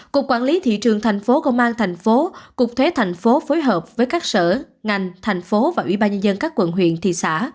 cục quản lý thị trường thành phố công an thành phố cục thuế thành phố phối hợp với các sở ngành thành phố và ubnd các quận huyện thị xã